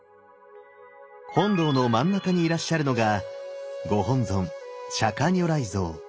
本堂の真ん中にいらっしゃるのがご本尊釈如来像。